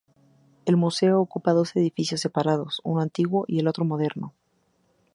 El museo ocupa dos edificios separados, uno antiguo y el otro moderno.